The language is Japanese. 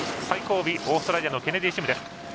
最後尾、オーストラリアのケネディシム。